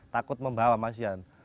takut membawa masian